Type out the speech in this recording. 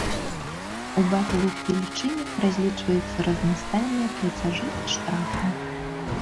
У базавых велічынях разлічваюцца разнастайныя плацяжы і штрафы.